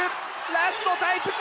ラストタイプ２！